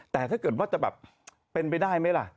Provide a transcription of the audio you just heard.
แต่ถ้าเกิดว่าจะแบบเป็นไปได้ไหมล่ะ